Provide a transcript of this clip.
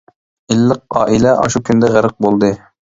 ئىللىق ئائىلە ئاشۇ كۈندە غەرق بولدى.